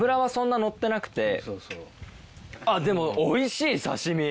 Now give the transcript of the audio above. でもおいしい刺し身。